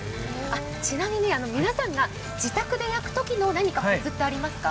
ちなみに、皆さんが自宅で焼くときの何かコツってありますか？